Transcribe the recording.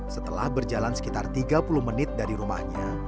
setelah berjalan sekitar tiga puluh menit dari rumahnya